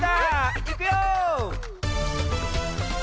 いくよ！